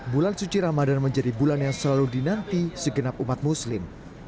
bulan suci ramadan menjadi bulan yang selalu dinanti segenap umat muslim